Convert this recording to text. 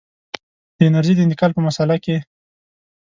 د انرژۍ د انتقال په مسأله کې.